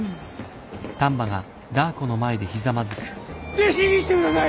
弟子にしてください！